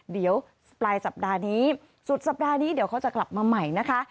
เดี๋ยวปลายสัปดาห์นี้สุดสัปดาห์นี้เดี๋ยวเขาจะกลับมาใหม่นะคะ